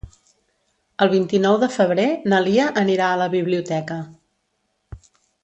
El vint-i-nou de febrer na Lia anirà a la biblioteca.